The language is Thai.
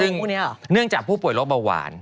ซึ่งเนื่องจากผู้ป่วยโรคเบาหวาน